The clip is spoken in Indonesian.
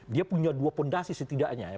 dia punya dua fondasi setidaknya ya